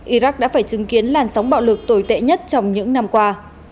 iraq đã phải chứng kiến làn sóng bạo lực tồi tệ nhất trong những năm qua